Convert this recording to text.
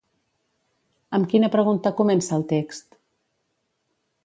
Amb quina pregunta comença el text?